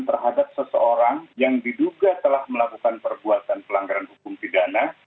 terhadap seseorang yang diduga telah melakukan perbuatan pelanggaran hukum pidana